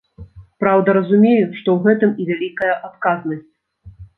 Праўда, разумею, што ў гэтым і вялікая адказнасць.